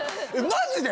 マジで！？